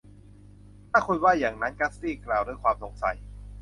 ถ้าคุณว่าอย่างนั้น กัสซี่กล่าวด้วยความสงสัย